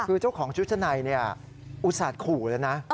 คือเจ้าของชุดชะในอุตส่าห์ขู่แล้วนะ